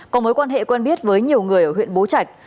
có mối quan hệ quen biết với nhiều người ở huyện bố trạch